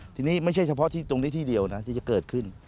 ทีนี้ไม่ใช่เฉพาะที่ตรงนี้ที่เดียวนะที่จะเกิดขึ้น